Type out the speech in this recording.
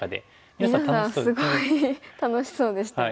皆さんすごい楽しそうでしたよね。